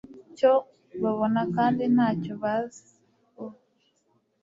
cyo babona kandi nta cyo bazi o